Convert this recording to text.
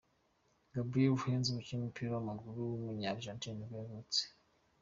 Gabriel Heinze, umukinnyi w’umupira w’amaguru wo muri Argentine nibwo yavutse.